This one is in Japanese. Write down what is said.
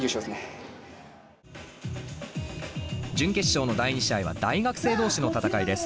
準決勝の第２試合は大学生同士の戦いです。